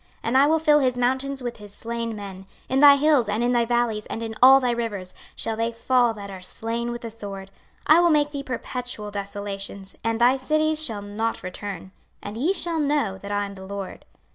26:035:008 And I will fill his mountains with his slain men: in thy hills, and in thy valleys, and in all thy rivers, shall they fall that are slain with the sword. 26:035:009 I will make thee perpetual desolations, and thy cities shall not return: and ye shall know that I am the LORD.